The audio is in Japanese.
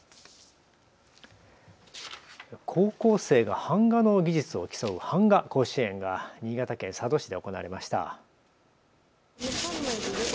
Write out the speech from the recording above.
高校生が版画の技術を競うはんが甲子園が新潟県佐渡市で行われました。